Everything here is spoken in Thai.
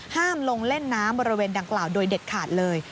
ห้ามลงเล่นน้ำบริเวณดังกล่าวโดยเด็ดขาดเลย